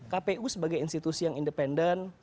kpu sebagai institusi yang independen